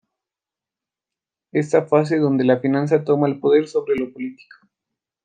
Esta fase donde la finanza toma el poder sobre lo político.